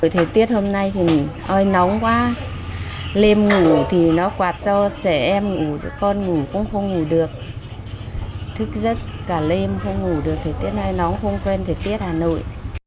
thời tiết hôm nay thì ơi nóng quá lêm ngủ thì nó quạt cho sẻ em ngủ con ngủ cũng không ngủ được thức giấc cả lêm không ngủ được thời tiết này nóng không quen thời tiết hà nội